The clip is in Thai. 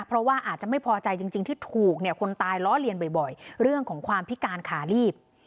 เพราะว่าอาจจะไม่พอใจจริงที่ถูกเนี่ยคนตายล้อเลียนบ่อยเรื่องของความพิการขาลีบ